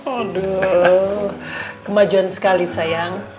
aduh kemajuan sekali sayang